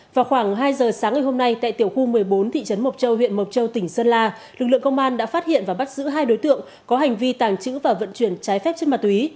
vào khoảng hai giờ sáng ngày hôm nay tại tiểu khu một mươi bốn thị trấn mộc châu huyện mộc châu tỉnh sơn la lực lượng công an đã phát hiện và bắt giữ hai đối tượng có hành vi tàng trữ và vận chuyển trái phép chất ma túy